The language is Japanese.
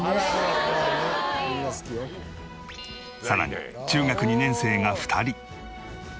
さらに中学２年生が２人。